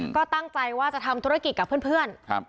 ก็ตั้งใจว่าจะทำธุรกิจกับเพื่อน